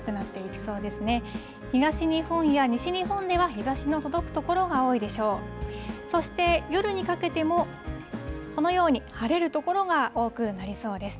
そして、夜にかけても、このように晴れる所が多くなりそうです。